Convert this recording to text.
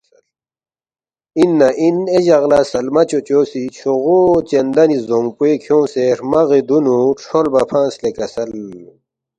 “ اِن نہ اِن اے جق لہ سلمہ چوچو سی چھوغو چندنی زدونگپوے کھیونگسے ہرمغی دُونُو کھرولبا فنگس لے کسل